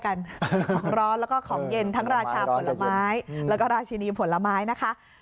ของร้อนแล้วก็ของเย็นทั้งราชาผลไม้แล้วก็ราชินีผลไม้นะคะ